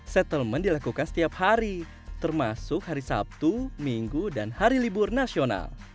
settlement dilakukan setiap hari termasuk hari sabtu minggu dan hari libur nasional